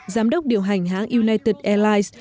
giám đốc điều hành hãng united airlines